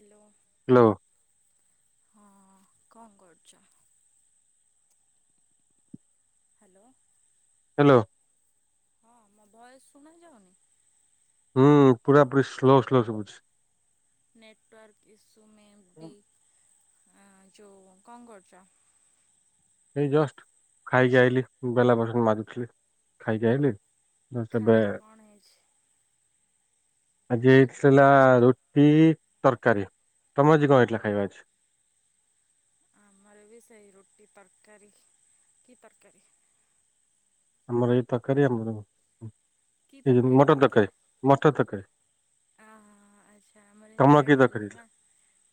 Hello. Hello. ହଁ। କଣ କରୁଚ? ହ୍ୟାଲୋ। ହ୍ୟାଲୋ। ହଁ ମୋ ଭଏସ ଶୁଣା ଯାଉନି? ହୁଁ ପୁରା ପୁରି ସ୍ଲୋ ସ୍ଲୋ ଶୁଭୁଚି। ନେଟୱର୍କ ଇସୁ ମେ ବି। ଆ ଯୋଉ କଣ କରୁଚ? ଏଇ ଜଷ୍ଟ ଖାଇକି ଆଇଲିି। ବେଲା ବାସନ ମାଜୁଥିଲି। ଖାଇକି ଆଇଲିି। ଏବେ ଖାଇବା କଣ [inaudible] ଆଜି ହେଇଥିଲା ରୁଟି ତରକାରୀ। ତମର ଆଜି କଣ ହେଇଥିଲା ଖାଇବା ଆଜି? ଆମର ବି ସେଇ ରୁଟି ତରକାରୀ। କି ତରକାରୀ? ଆମର ଏଇ ତରକାରୀ ଆମର। କି ଏ ଯୋଉ ତରକାରୀ ମଟର ତରକାରୀ ମଟର ତରକାରୀ। ଅ ହ ଆଚ୍ଛା। ଆମର ତମର ହେଇଥିଲା କି ତରକାରୀ ହେଇଥିଲା ଡାଲମା।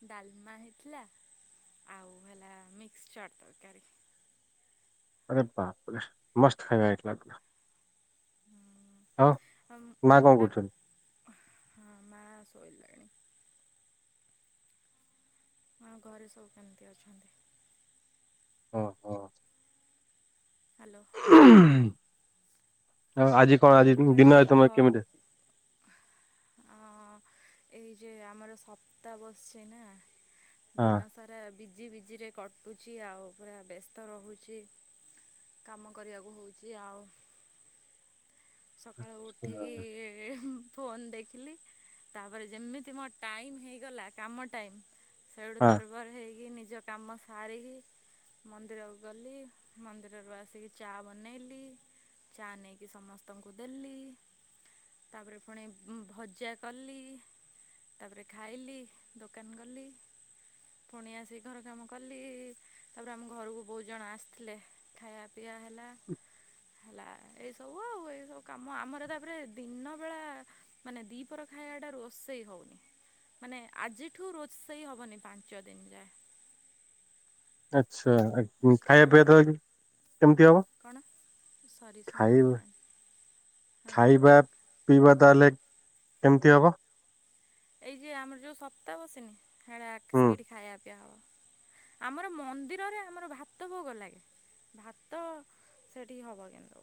ଡାଲମା ହେଇଥିଲା ଆଉ ହେଲା ମିକ୍ସଚର୍ ତରକାରୀ। ଆରେ ବାପରେ ମସ୍ତ ଖାଇବା ହେଇଥିଲା। ହଁ ମା ମୁଁ କଣ ଯେଉଁଟା କରୁଛନ୍ତି? ହଁ ମା ସୋଇଲେଣି। ଆଉ ଘରେ ସବୁ କେମିତି ଅଛନ୍ତି? ଓହୋ। ହ୍ୟାଲୋ। ଆଉ ଆଜି କଣ ଆଜି ଦିନଯାକ ତମେ କେମିତି ଅଁ ଏଇ ଯେ ଆମର ସପ୍ତା ବସେ ନା ହଁ। ଦିନ ସାରା ବିଜି ବିଜିରେ କଟୁଛି ଆଉ ପୁରା ବ୍ୟସ୍ତ ରହୁଚି। କାମ କରିବାକୁ ହଉଚି ଆଉ ସକାଳୁ ଉଠିକି ଫୋନ୍ ଦେଖିଲି ତାପରେ ଯେମିତି ମୋ ଟାଇମ ହେଇଗଲା କାମ ଟାଇମ ସେଠୁ ହଁ ତ ନିର୍ଭର ହେଇକି ନିଜ କାମ ସାରିକି ମନ୍ଦିର କୁ ଗଲି ମନ୍ଦିରରୁ ଆସୀକି ଚା ବନେଇଲି। ଚା ନେଇକି ସମସ୍ତଙ୍କୁ ଦେଲି। ତାପରେ ଫୁଣି ଭଜା କଲି। ତାପରେ ଖାଇଲି ଦୋକାନ ଗଲି। ପୁଣି ଆସିକି ଘର କାମ କଲି ତାପରେ ଆମ ଘରକୁ ବହୁତ ଜଣ ଆସିଥିଲେ। ଖାଇବା ପିଇବା ହେଲା ହେଲା ଏଇ ସବୁ ଆଉ ଏ ଏ ସବୁ କାମ ଆମର ତାପରେ ଦିନବେଳା ମାନେ ଦିପଅର ଖାଇବାଟା ରୋଷେଇ ହଉନି। ମାନେ ଆଜିଠୁ ରୋଷେଇ ହବନି ପାଞ୍ଚ ଦିନ ଯାଏ। ଆଚ୍ଛା ଆ ଖାଇବା ପିଇବା ତ କେମତି ହବ। କଣ ସରି ଖାଇବା ଶୁଣାଗଲା ଗଲା ହଁ। ଖାଇବା ପିଇବା ତାହେଲେ କେମିତି ହବ। ଏଇ ଯେ ଆମର ଯୋଉ ସପ୍ତା ବସିନି ହେରା ହୁଁ ସେଇଠି ଖାଇବା ପିଇବା ହବ। ଆମର ମନ୍ଦିରରେ ଆମର ଭାତ ଭୋଗ ଲାଗେ। ଭାତ ସେଠି ହବ କିନ୍ତୁ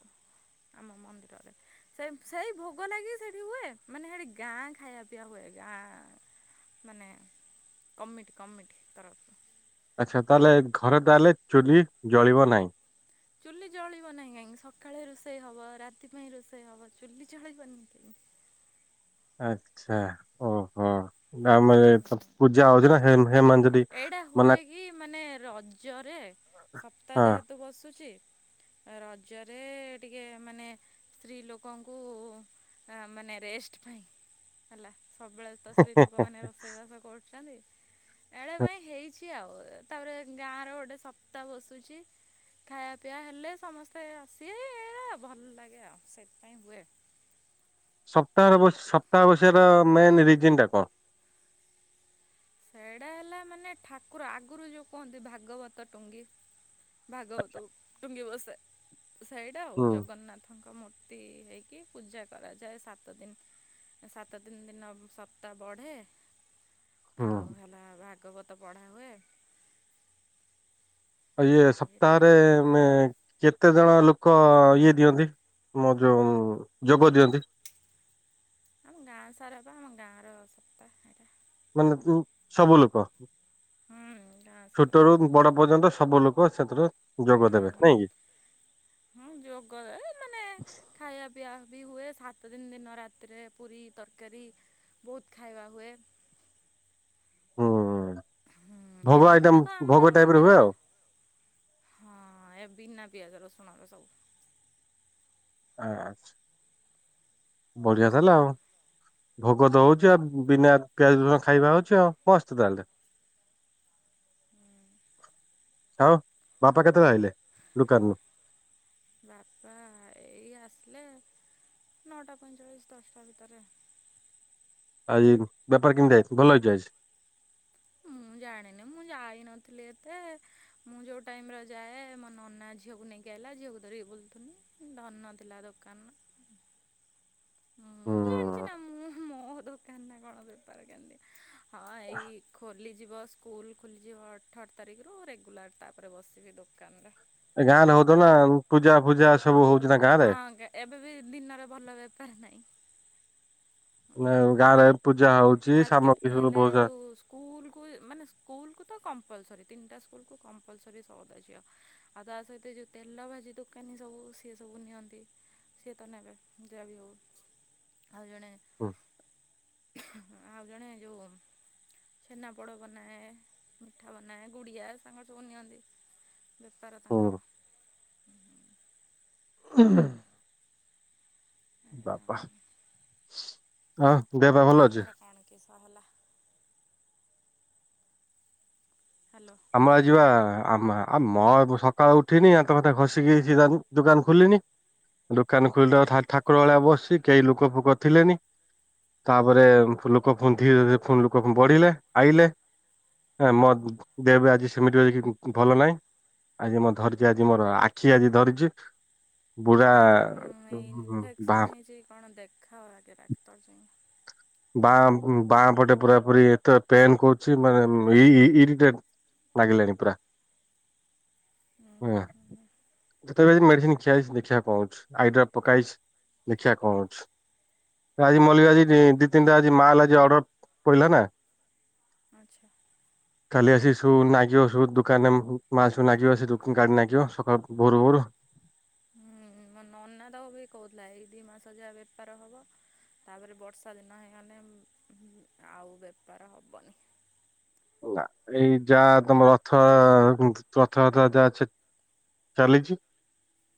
ଆମ ମନ୍ଦିରରେ। ସେମ୍ ସେଇ ଭୋଗ ଲାଗି ସେଠି ହୁଏ ମାନେ ହେଠି ଗାଁ ଖାଇବା ପିଇବା ହୁଏ। ଯା ମାନେ କମିଟି କମିଟି ତରଫରୁ। ଆଚ୍ଛା ତାହେଲେ ଘରେ ତାହେଲେ ଚୁଲି ଜଳିବ ନାହିଁ। ଚୁଲି ଚଳିବ ନାହିଁ କାହିଁକି ସକାଳେ ରୋଷେଇ ହବ ରାତି ପାଇଁ ରୋଷେଇ ହବ ଚୁଲି ଚଳିବନି କାହିଁକି। ଆଛା ଓହୋ ଗାଁ ମାନଙ୍କ ପୂଜା ହଉଚି ନା ହେ ହେଇ ମନ୍ଦିର ଏଇଟା ହୁଏ କି ମାନେ ରଜରେ ସପ୍ତା ହଁ ଯେହେତୁ ବସୁଚି ରଜରେ ଟିକେ ମାନେ ସ୍ତ୍ରୀ ଲୋକଙ୍କୁ ମାନେ ରେଷ୍ଟ ପାଇଁ ହେଲା ସବୁବେଳେ ତ ସ୍ତ୍ରୀ ଲୋକମାନେ ରୋଷେଇବାଷ କରୁଛନ୍ତି। ଏଡେ ପାଇଁ ହେଇଛି ଆଉ ତାପରେ ଗାଁ ର ଗୋଟେ ସପ୍ତା ବସୁଚି। ଖାଇବା ପିଇବା ହେଲେ ସମସ୍ତେ ଆସିବେ ଏଇ ଏଇରା ଭଲ ଲାଗେ ଆଉ ସେଇଥିପାଇଁ ହୁଏ। ସପ୍ତାହରେ ସପ୍ତାହ ବସିଵା ଟା ମେନ ରିଜନ ଟା କଣ ସେଡା ହେଲା ମାନେ ଠାକୁର ଆଗୁରୁ ଯୋଉ କୁହନ୍ତି ଭାଗବତ ଟୁଙ୍ଗୀ। ଆଚ୍ଛା। ଭାଗବତକୁ ଟୁଙ୍ଗି ବସାଏ ସେଇଟା ଆଉ ହୁଁ ଜଗନ୍ନାଥ ଙ୍କ ମୂର୍ତ୍ତି ହେଇକି ପୂଜା କରାଯାଏ ସାତ ଦିନ। ସାତ ଦିନ ଦିନ ସପ୍ତା ବଢେ। ହୁଁ ଆଉ ହେଲା ଭାଗବତ ପଢା ହୁଏ। ଆ ଇଏ ଏଇଟା ସପ୍ତାହରେ ମାନେ କେତେ ଜଣ ଲୋକ ଇଏ ଦିଅନ୍ତି ମୋ ଯୋଉ ଯୋଗ ଦିଅନ୍ତି। ଆମ ଗାଁ ସାରା ପା ଆମ ଗାଁର ସପ୍ତା ଏଟା। ମାନେ କୁ ସବୁ ଲୋକ ହୁଁ ଗାଁ ସାରା ଲୋକ ଛୋଟରୁୁ ବଡ। ପର୍ଯ୍ୟନ୍ତ ସବୁ ଲୋକ ସେଥିରେ ହୁଁ ଯୋଗ ଦେବେ ହୁଁ ନାଇଁ କି ହଁ ଯୋଗଦେବେ ମାନେ ଖାଇବା ପିଇବା ବି ହୁଏ ସାତ ଦିନ ଦିନ ରାତିରେ ପୁରୀ ତରକାରୀ। ବହୁତ ଖାଇବା ହୁଏ ହୁଁ ହୁଁ ଭୋଗ ଆଇଟମ ଏମିତିରେ ତ ଆମର ଭୋଗ ଟାଇପ ର ହୁଏ ମନ୍ଦିରର ଆଉ। ହଁ ଏ ବିନା ପିଆଜ ରସୁଣର ସବୁ ଆଛ ବଢିଆ ତାହେଲେ ଆଉ ଭୋଗ ଦଉଚି ଆଉ ବିନା ପିଆଜର ଖାଇବା ହଉଚି ଆଉ ମସ୍ତ ତାହେଲେ [inaudible] [inaudible] ଆଉ ବାପା କେତେବେଳେ ଆଇଲେ ଦୁକାନରୁୁ ବାପା ଏଇ ଆସିଲେ ନଅଟା ପଇଁଚାଳିଶ ଦଶଟା ଭିତରେ ଆଜି ବେପାର କେମିତି ଆଇଛି ଭଲ ହେଇଛି ଆଜି। ମୁଁ ଜାଣିନି ମୁଁ ଯାଇ ନଥିଲି ଏତେ ମୁଁ ଯୋଉ ଟାଇମ ର ଯାଏ ମୋ ନନା ଝିଅକୁ ନେଇକି। ଗଲା ଝିଅକୁ ଧରିକି ବୁଲୁନି ଧନ ଦେଲା ଦୋକାନ। ମୁଁ ଜାଣିଛି ନା ହୁଁ ମୁଁ ମୋ ଦୋକାନ ନା କଣ ବେପାର [unintelligible] ହଁ ଏଇ ଖୋଲିଯିବ ସ୍କୁଲ ଖୋଲିଯିବ ଅଠର ତାରିଖରୁ ରେଗୁଲାର ତାପରେ ବସିବି ଦୋକାନରେ। ଏ ଗାଁରେ ହଉ ନା ପୂଜା ଫୂଜା ସବୁ ହଉଛି ତାଙ୍କ ହଁ ଏବେ ବି ଦିନରେ ଭଲ ବେପାର ନାହିଁ। ନା ଗାଁରେ ପୂଜା ହଉଛି। ଆଜ୍ଞା ସାମଗ୍ରୀ ସବୁ ହେଲେ ବହୁତ ସା ଯୋଉ ସ୍କୁଲକୁ ମାନେ ସ୍କୁଲକୁ ତ କମ୍ପଲସରୀ ତିନିଟା ସ୍କୁଲକୁୁ କମ୍ପଲସରରି ସଉଦା ଝିଅ। ଆଉ ତା ସହିତ ଯୋଉ ତେଲ ଭାଜି ଦୋକାନୀ ସବୁ ସିଏ ସବୁ ନିଅନ୍ତି। ସିଏ ତ ନେବେ ଯହା ବି ହଉ ଆଉ ଜଣେ ହଁ [unintelligible] ହ ଆଉ ଜଣେ ଯୋଉ ଛେନାପୋଡ଼ ବନାଏ ମିଠା ବନାଏ ଗୁଡ଼ିଆ ସାଙ୍ଗ ସବୁ ନିଅନ୍ତି। ବେସ୍ତାରେ ହୁଁ ତାଙ୍କର। ହ ଏଇଆ ଆଉ। ବାପା ହଁ ଦେବା ଭଲ ଅଛି କେଶ ହେଲା। ହ୍ୟାଲୋ ଆମ ଆ ଯିବା ଆ ଆ ମ ସକାଳୁ ଉଠିନି ଆ ତ କଥା ଖସିକି ଦୋକାନ ଖୋଲିନି। ହ [unintelligible] [inaudible] ଦୋକାନ ଖୋଲିଲ ଠାକୁର ଭଳିଆ ବସି କେହି ଲୋକ ଫୋକ ଥିଲେନି। ତାପରେ ଲୋକ ଫୁଲ ଧୀରେ ଧୀରେ ଫୁଲ ଲୋକ ବଢିଲେ ଆଇଲେ ହଁ ମୋ ଦେବେ ଆଜି ସେମିତି ଭଲ ନାହିଁ। ଆଜି ମୁଁ ଧରିଛି ଆଜି ମୋର ଆଖି ଆଜି ଧରିଛି। ବୁଢା ବାପ ଯ କଣ ଦେଖାଅ ଆଗେ ଡାକ୍ତର ଯାଇ। ବାଁ ବାଁ ପଟେ ପୁରା ପୁ ଏତେ ପେନ୍ କରୁଛି ମାନେ ଇରିଟେଡ଼। ଲାଗିଲାଣି ପୁରା। ହୁଁ ହଁ ହଁ ହଁ। ବେ ଯ ମେଡିସିନ ଖିଆଇସି ଦେଖିବାକୁ କହୁଛଛି ଆଇଡ୍ରା ପକେଇସି ଦେଖିବାକୁ କହୁଛଛି। ଆଜି ମଲ୍ଲିକ ଆଜି ଦି ତିନିଟା ଆଜି ମାଲ ଆଜି ଅର୍ଡର ପିଲା ନା। ଆଚ୍ଛା। କାଲି ଆସି ସୁ ନାଗିବ ସୁ ଦୋକାନରେ ମାସୁ ନାଗିବ ଆ ଦ କାଡ ନାଗିବ ସକାଳୁ ଭୋରୁ ଭୋରୁ। ହୁଁ ମୋ ନନା ତ ବି କହୁଥିଲା ଏଇ ଦି ମାସ ଯାହା ବେପାର ହବ। ତାପରେ ବର୍ଷା ଦିନ ହେଇଗଲେ ଆଉ ବେପାର ହବନି। ଏଇ ଯାହା ତମ ରଥ ରଥଥ ଯାହା ସେ ଚାଲିଛି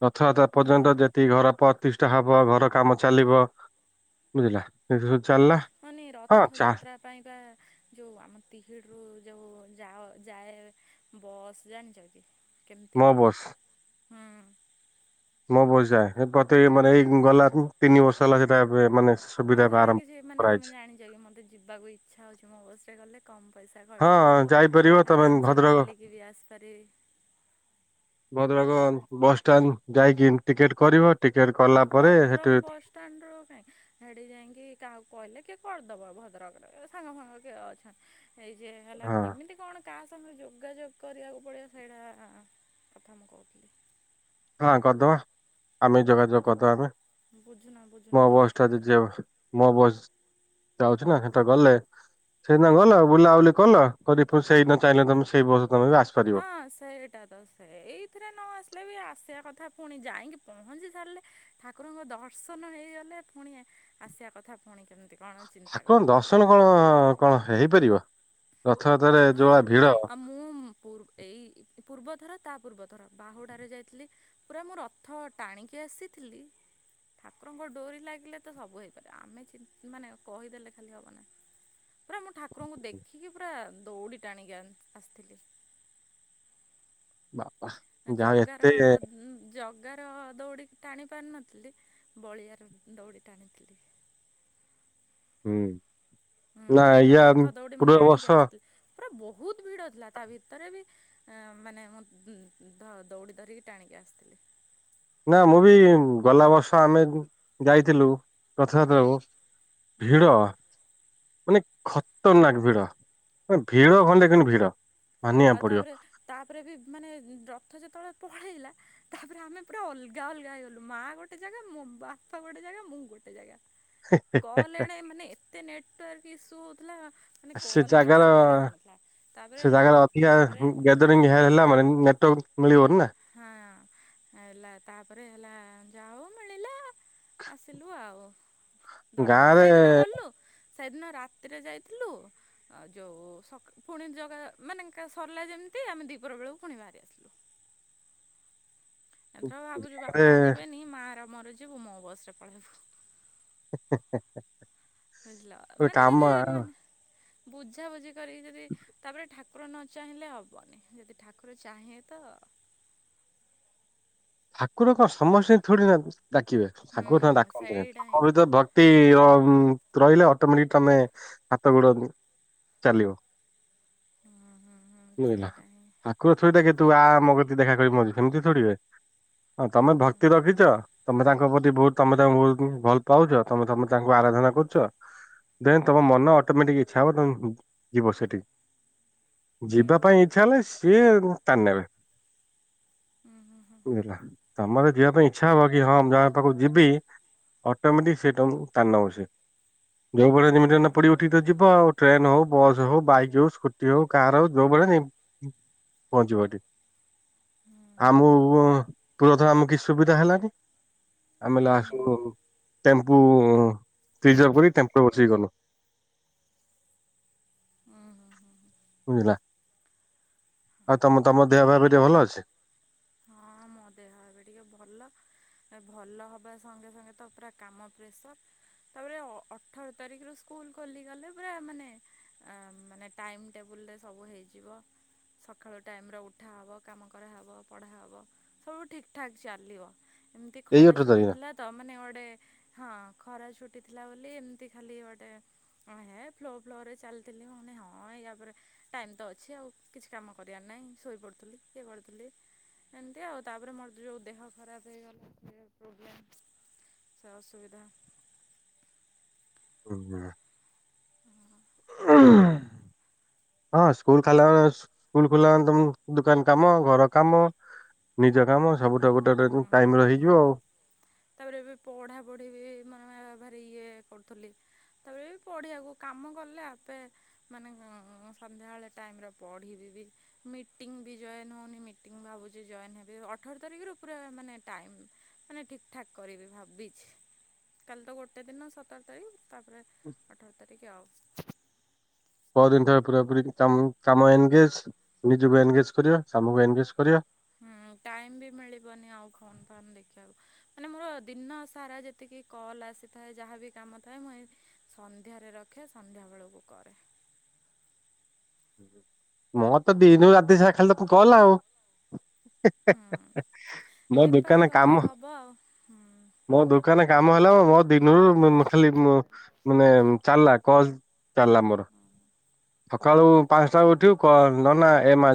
ରଥଯାତ୍ର ହୁଁ ପର୍ଯ୍ୟନ୍ତ ଯେତିକି ଘର ପ ତିଷ୍ଠା ହବ ଘର କାମ ଚାଲିବ ବୁଝିଲା ଚାଲିଲା। ମାନେ ହଁ ଚା ରଥଯାତ୍ରା ପାଇଁକା ଯୋଉ ଆମ ତିହିଡ଼ିରୁ ଯୋଉ ଯାଅ ଯାଏ ବସ୍ ଜାଣିଛ କି, କେମିତି ମୋ କଣ ବସ୍ ହୁଁ? ମୋ ବସ୍ ଯାଏ, ସେ ପତି ମାନେ ହୁଁ ଏଇ ଗଲା ତିନ ବର୍ଷର ହେଲା ସେଟା ମାନେ ହଁ ସୁବିଧା ଏବେ ସେଇଟା ଆରମ୍ଭ କିଛି ମାନେ ତମେ କରାଯାଇଛି ଜାଣିଛ କି, ମତେ ଯିବାକୁ ଇଚ୍ଛା ହଉଛି। ମୋ ବସ୍ ରେ ଗଲେ କମ୍ ପଇସା ହଁ ଖର୍ଚ୍ଚ ହବ, ଯାଇପାରିବ ତମେ ଆରାମସେ ଭଦ୍ରକ ବୁଲିକି ବି ଆସିପାରିବି। ଭଦ୍ରକ ବସଷ୍ଟାଣ୍ଡ ଯାଇକି, ଟିକେଟ କରିବ। ଟିକେଟ କଲା ପରେ ହେଟୁ ଷ୍ଟାଣ୍ଡ ରୁ କାଇଁ ସେଇଠିକି ଯାଇଁକି କାହାକୁ କହିଲେ କିଏ କରିଦବ, ଭଦ୍ରକରେ ସାଙ୍ଗ ଫାଙ୍ଗ କିଏ ଅଛ ଏଇ ଯେ ହେଲା ହଁ କେମିତି କଣ କାହା ସାଙ୍ଗରେ ଯୋଗାଯୋଗ କରିବାକୁ ପଡ଼ିବ, ସେଇଟା କଥା ମୁଁ କହୁଥିଲି? ହଁ କରିଦବା, ଆମେ ଯୋଗାଯୋଗ କରିଦବା ଆମେ। ବୁଝୁନ ମୋ ବୁଝୁନ ଟିକେ ବସ୍ ଟା ଯୋଉ ମୋ ବସ୍ ଯାଉଛି ନା, ହେଟା ଗଲେ ସେଇଦିନ ଗଲ ବୁଲା ବୁଲି କଲ, କରି ପୁଣି ସେଇଦିନ ଚାହିଁଲେ ତମେ ସେଇ ବସ ତମେ ବି ଆସି ହଁ ସେଇଟା ତ ସେଇଥିରେ ନ ଆସିଲେ ବି, ଆସିବା କଥା ଫୁଣି ଯାଇକି ପହଞ୍ଚି ସାରିଲେ ଠାକୁରଙ୍କ ଦର୍ଶନ ହେଇଗଲେ, ପୁଣି ଆସିବା କଥା ପୁଣି କେମିତି କଣ ଚିନ୍ତା କରିବ? [unintelligible] କଣ ହେଇପାରିବ ରଥଯାତ୍ରାରେ ହଁ ଯୋଉଭଳିଆ ଭିଡ ଆଉ ମୁଁ ପୂର୍ ଏଇ ପୂର୍ବଥର ତା ପୂର୍ବଥର ବାହୁଡ଼ାରେ ଯାଇଥିଲି ପୁରା ମୁଁ ରଥ ଟାଣିକି ଆସିଥିଲି। ଠାକୁରଙ୍କ ଡୋରି ଲାଗିଲେ ତ ସବୁ ହେଇପାରିବ, ଆମେ ଚି ମାନେ କହିଦେଲେ ଖାଲି ହବ ନାହିଁ। ପୁରା ମୁଁ ଠାକୁରଙ୍କୁ ଦେଖିକି ପୁରା ଦୌଡି ଟାଣିକି ଆନ ଆସିଥିଲି। ବା ଜଗାର ଜ ଜଗାର ଦୌଡ଼ିିକି ଟାଣି ପାରିନଥିଲି, ବଳିଆର ଦୌଡ଼ି ଟାଣିଥିଲି। ହୁଁ। ହୁଁ ନା ପୁରା ୟା ରଥ ଦୌଡ଼ି ମୁଁ ପୂର୍ବ ବର୍ଷ ଟାଣିକି ଆସିଥିଲି, ପୁରା ବହୁତ ଭିଡ ଥିଲା ତା ଭିତରେ ବି ଏଁ ମାନେ ମୁଁ ଦୌଡ଼ି ଧରିକି ଟାଣିକି ଆସିଥିଲି। ନା ମୁଁ ବି ଗଲା ବର୍ଷ ଆମେ ଯାଇଥିଲୁ। ରଥଯାତ୍ରାକୁ ଭିଡ, ମାନେ ଖତରନାକ୍ ଭିଡ। ଭିଡ଼ ହୁଁ [unintelligible] ଭିଡ। ମାନିବାକୁ ଆଉ ପଡିବ ତାପରେ, ତାପରେ ବି ମାନେ ରଥ ଯେତେବେଳେ ପଳେଇଲା ତାପରେ ଆମେ ପୁରା ଅଲଗା ଅଲଗା ହେଇଗଲୁ। ମା ଗୋଟେ ଜାଗା, ମୋ ବାପା ଗୋଟେ ଜାଗା, ମୁଁ ଗୋଟେ ଜାଗା। ହେ ହେ କଲ୍ ଏଣେ ମାନେ ଏତେ ନେଟୱାର୍କ ଇସୁ ହଉଥିଲା। ମାନେ ସେ କଲ୍ ବି କାହାକୁ କରିହଉନଥିଲା। ତାପରେ ଗ୍ୟା ତାପରେ ଗ୍ୟାଦରିଙ୍ଗ ହେଲା ମାନେ ନେଟୱର୍କ ମିଳିବନି ନା। ହଁ ହେଲା, ତାପରେ ହେଲା ଯାହା ହଉ ମିଳିଲା ଆସିଲୁ ଆଉ, ଦର୍ଶନ ଗାଁରେ ସେଇଦିନ ଗଲୁ ସେଇଦିନ ରାତିରେ ଯାଇଥିଲୁ ଆଉ ଯୋଉ ସକା ପୁଣି ଜଗା, ମାନେ ସରିଲା ଯେମିତି ଆମେ ଦ୍ୱିପହର ବେଳକୁ ପୁଣି ବାହାରି ଆସିଲୁ। ଏଥର ଭାବୁଛୁ ଗାଁରେ ବାପା ଯିବେନି, ମାଆ ର ମୋର ଯିବୁ ମୋ ବସ୍ ରେ ପଳେଇବୁ। ହେ -ହେ -ହେ। ବୁଝିଲ, ମାନେ ଯଦି ମାନେ ବୁଝାବୁଝି କରିକି ଯଦି ତାପରେ ଠାକୁର ନ ଚାହିଁଲେ ହବନି, ଯଦି ଠାକୁର ଚାହିଁବେ ତ ଠାକୁର କଣ ସମସ୍ତିଙ୍କୁ ଥୋଡିନା ଡାକିବେ, ହୁଁ ଠାକୁର ହୁଁ ଡାକନ୍ତିନି। ସେଇଟା ହିଁ ତାଙ୍କ ତ ଭିତରେ ଭ କ୍ତି ଅ ରହିଲେ ଅଟୋମେଟିକ ତମେ ହାତ ଗୋଡ଼ ଚାଲିବ ହୁଁ ହୁଁ ହୁଁ ବୁଝିଲ ସେଇଟା ହିଁ ହା [unintelligible] କହିବେ ତୁ ଆ ମୋ କତିକି ଦେଖା କରିବୁ ଏମିତି ଥୋଡି [unintelligible] ହଁ ତମେ ଭକ୍ତି ରଖିଛ, ତମେ ତାଙ୍କ ପ୍ରତି ବହୁତ ତମେ ତାଙ୍କୁ ବହୁତ ଭଲ ପାଉଛ, ତମେ ତମେ ତାଙ୍କୁ ଆରାଧନା କରୁଚ ଦେନ ତମ ମନ ଅଟୋମେଟିକ ଇଚ୍ଛା ହବ ତମ ଯିବ ସେଠିକି ହୁଁ ଯିବା ହୁଁ ପାଇଁ ହୁଁ। ଇଚ୍ଛା ହେଲେ ସିଏ ଟାଣି ନେବେ ହୁଁ ହୁଁ [unintelligible] ତମର ଯିବା ପାଇଁ ଇଚ୍ଛା ହବ କି ହଁ ମୁଁ ଜଗା ପାଖକୁ ଯିବି ଅଟୋମେଟିକ ସେ ତମକୁ ଟାଣି ନବ ସେ। ଯୋଉଦିନ ଯେମିତି ନ ପଡି ଉଠିକି ତ ଯିବାଆଉ ଟ୍ରେନ ହଉ, ବସ୍ ହଉ, ବାଇକ ହଉ, ସ୍କୁଟି ହଉ, କାର ହଉ, ଯୋଉ ଭଳିଆ ପହଞ୍ଚିବ ଏଠି। [inaudible] ଆମ ପ୍ରଥମେ ଆମକୁ କିଛି ସୁବିଧା ହେଲାନି ଆମେ ଲାଷ୍ଟକୁ ଟେମ୍ପୁ ରିଜର୍ଭ କରି ଟେମ୍ପୁରେ ବସିକି ଗଲୁ। ଉଁ ହୁଁ ବୁଝିଲା ଆଉ ତମ ତମ ଦେହ ପା ଟିକେ ଭଲ ଅଛି? ହଁ ମୋ ଦେହ ଏବେ ଟିକେ ଭଲ। ଏ ଭଲ ହବା ସଙ୍ଗେ ସଙ୍ଗେତ ପୁରା କାମ ପ୍ରେସର। ତାପରେ ଅଠର ତାରିଖରୁ ସ୍କୁଲ ଖୋଲିଗଲେ ପୁରା ମାନେ ଅ ମାନେ। ଟାଇମ୍ ଟେବୁଲ୍ରେ ସବୁ ହେଇଯିବ ସକାଳୁ ଟାଇମ୍ରେ ଉଠାହବ କାମ କରାହେବ। ପଢ଼ା ହେବ ସବୁ ଠିକ୍ ଠାକ୍ ଚାଲିବ ଏମିତି ଏଇ ଖରା ଅଠର ଛୁଟି ତାରିଖ ଥିଲା। ତ ମାନେ ଗୋଟେ ହଁ ଖରା ଛୁଟି ଥିଲା ବୋଲି ଏମତି ଖାଲି ଗୋଟେ। ହ ହେ ଫ୍ଲୋ ଫ୍ଲୋ ରେ ଚାଲିଥିଲି ମାନେ ହଁ ୟା ପରେ ଟାଇମ୍ ତ ଅଛି ଆଉ କିଛି କାମ କରିବାର ନାହିଁ ଶୋଇପଡ଼ୁଥିଲି। କି ଗଡ଼ୁଥିଲି ଏମତି ଆଉ ତାପରେ ମୋର ଯୋଉ ଦେହ ଖରାପ ହେଇଗଲା ତାପରେ ପ୍ରୋବ୍ଲେମ ଅସୁବିଧା [inaudible] ହୁଁ ହଁ ସ୍କୁଲ ଖାଲା ସ୍କୁଲ ଖୋଲା ତ ଦୁକାନ କାମ ଘର କାମ ନିଜ କାମ ସବୁଠ ଗୁଟେ ହୁଁ ଗୁଟେ ହୁଁ ହୁଁ ଟାଇମରେ ହୁଁ ହେଇଯିବ ହୁଁ ଆଉ। ତାପରେ ଏବେ ପଢ଼ାପଢ଼ି ବି ମାନେ ଭାରି ଇଏ କରୁଥିଲି। କେତେବେଳେ ବି ପଢ଼ିବାକୁ କାମ କଲେ ଆପେ ମାନେ ସନ୍ଧ୍ୟାବେଳେ ଟାଇମରେ ପଢ଼ି ଯିବି ମିଟିଂ ବି ଜଏନ୍ ହେଉନି ମିଟିଂ ଭାବୁଛି ଜଏନ୍ ହେବି ଅଠର ତାରିଖର ପୁରା ମାନେ ଟାଇମ ମାନେ ଠିକ ଠା କରିବି ଭାବିଛି। କାଲି ତ ଗୋଟେ ଦିନ ସତର ତାରିଖ। ତାପରେ ଅଠର ତାରିଖ ଆଉ। ପ ଦିନ ଥରେ ପୁରା ପୁରି କାମ ଏନଗେଜ। ନିଜକୁ ଏନଗେଜ କରିବା କାମକୁ ଏନଗେଜ କରିବା। ହୁଁ ଟାଇମ ବି ମିଳିବନି ଆଉ ଫୋନ ଫାନ ଦେଖିବାକୁ। ମାନେ ମୋର ଦିନ ସାରା ଯେତିକି କଲ୍ ଆସିଥାଏ ଯାହାବି କାମ ଥାଏ ମୁଁ ଏଇ ସନ୍ଧ୍ୟାରେ ରଖେ ସନ୍ଧ୍ୟାବେେଳକୁ କରେ। ମଁ ତ ଦିନୁ ରାତି ସାରା ଖାଲି ତାକୁ କଲ ଆଉ। ହୁଁ। [unintelligible] ମୋ ବେପାର ଦୋକାନ କଲେ କାମ। ହେବ ଆଉ ହୁଁ। [inaudible] ମୋ ଦୋକାନ କାମ ହେଲା ମୋ ଦିନରୁ ଖାଲି ମାନେ ଚାଲିଲା କଲ ଚାଲିଲା ମୋର ସକାଳୁ ପାଞ୍ଚଟା ଉଠିବ କ ନ ନା ଏ ମା